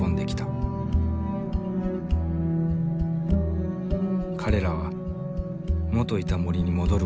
彼らは元いた森に戻る事にした。